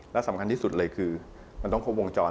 และสำคัญที่สุดเลยคือมันต้องครบวงจร